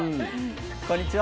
こんにちは。